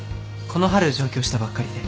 この春上京したばっかりで。